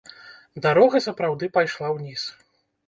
Дарога сапраўды пайшла ўніз.